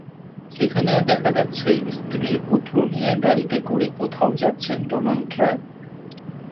সেখানে দেখা যাচ্ছে স্ত্রী পুত্র নিয়ে গাড়িতে করে কোথাও যাচ্ছেন ডোনাল্ড ট্রাম্প।